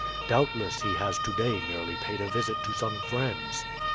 Doubtless he has to day merely paid a visit to some friends."